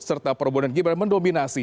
serta prabowo dan gibran mendominasi